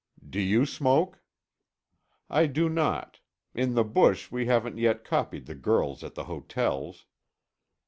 "Do you smoke?" "I do not. In the bush, we haven't yet copied the girls at the hotels."